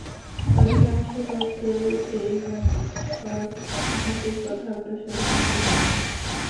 অধিকাংশ লোককেই এই মন্থর উন্নতির পথে অগ্রসর হতে হবে।